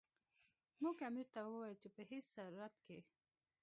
موږ امیر ته وویل چې په هیڅ صورت کې.